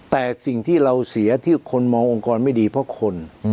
แต่สิ่งที่เราเสียที่คนมององค์กรไม่ดีเพราะคน